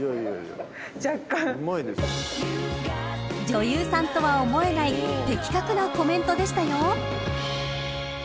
［女優さんとは思えない的確なコメントでしたよ］